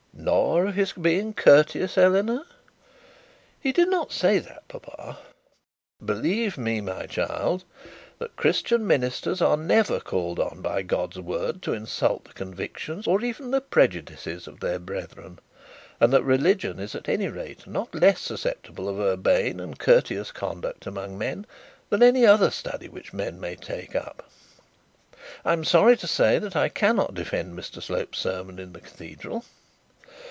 'Nor of being courteous, Eleanor?' 'He did not say that, papa.' 'Believe me, my child, that Christian ministers are never called on by God's word to insult the convictions, or even the prejudices, of their brethren; and that religion is at any rate not less susceptible to urbane and courteous conduct among men, than any other study which men take up. I am sorry to say that I cannot defend Mr Slope's sermon in the cathedral.